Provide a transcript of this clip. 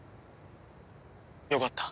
よかった。